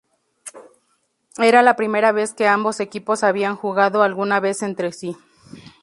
Era la primera vez que ambos equipos habían jugado alguna vez entre sí.